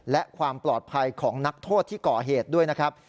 และความปลอดภัยของนักโทษที่ก่อเหตุด้วยนะครับ